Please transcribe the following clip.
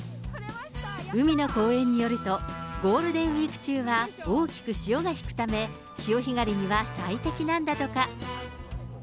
海の公園によると、ゴールデンウィーク中は大きく潮が引くため、潮干狩りには最適なんだとか。